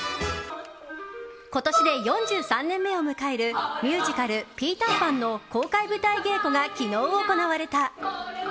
今年で４３年目を迎えるミュージカル「ピーター・パン」の公開舞台稽古が昨日行われた。